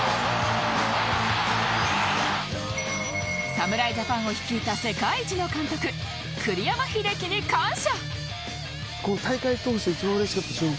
侍ジャパンを率いた世界一の監督栗山英樹に感謝！